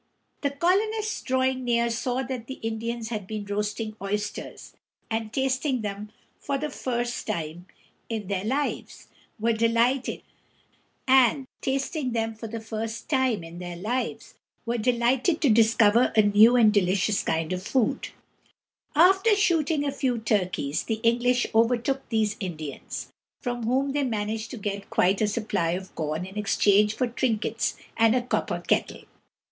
The colonists, drawing near, saw that the Indians had been roasting oysters, and, tasting them for the first time in their lives, were delighted to discover a new and delicious kind of food. After shooting a few turkeys, the English overtook these Indians, from whom they managed to get quite a supply of corn in exchange for trinkets and a copper kettle.